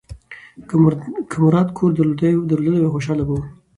که مراد کور درلودلی وای، خوشاله به و.